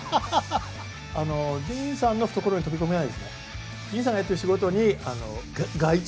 ディーンさんの懐に飛び込みたいですね。